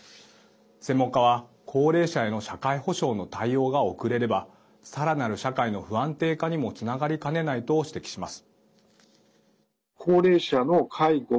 専門家は高齢者への社会保障の対応が遅れればさらなる社会の不安定化にもつながりかねないと指摘します。